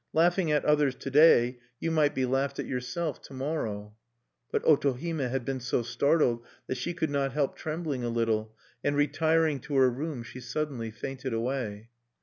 Laughing at others to day, you might be laughed at yourself to morrow." But Otohime had been so startled that she could not help trembling a little, and, retiring to her room, she suddenly fainted away.